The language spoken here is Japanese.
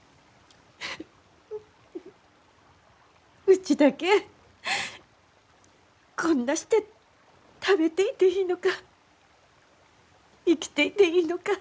うちだけこんなして食べていていいのか生きていていいのか。